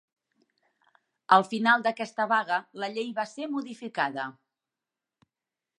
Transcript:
Al final d'aquesta vaga la llei va ser modificada.